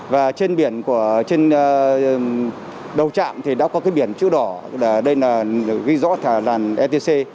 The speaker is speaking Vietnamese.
và trên đầu trạm thì đã có cái biển chữ đỏ đây là ghi rõ làn etc